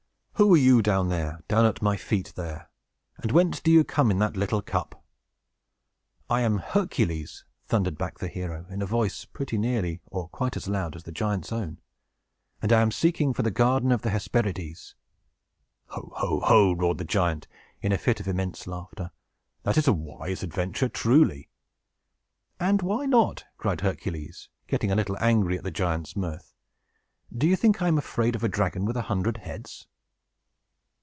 "Who are you, down at my feet there? And whence do you come, in that little cup?" "I am Hercules!" thundered back the hero, in a voice pretty nearly or quite as loud as the giant's own. "And I am seeking for the garden of the Hesperides!" "Ho! ho! ho!" roared the giant, in a fit of immense laughter. "That is a wise adventure, truly!" "And why not?" cried Hercules, getting a little angry at the giant's mirth. "Do you think I am afraid of the dragon with a hundred heads!"